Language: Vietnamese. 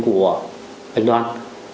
của anh đoàn